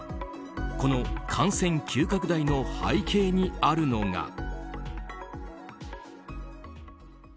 この感染急拡大の背景にあるのが。